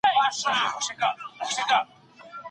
مور وویل چي ږیره لرونکي سړي ډوډۍ او مڼه راوړه.